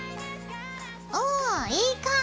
おおいい感じ！